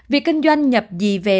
việc kinh doanh nhập gì về